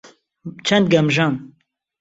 چەند گەمژەم!